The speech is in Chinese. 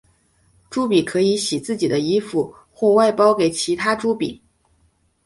朱比可以洗自己的衣服或外包给其他朱比。